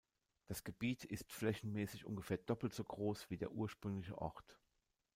Das Gebiet ist flächenmäßig ungefähr doppelt so groß wie der ursprüngliche Ort.